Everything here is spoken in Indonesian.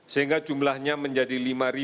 sehingga jumlahnya menjadi lima